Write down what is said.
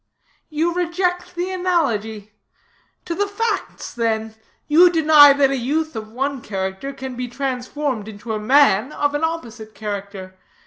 "You reject the analogy. To the facts then. You deny that a youth of one character can be transformed into a man of an opposite character.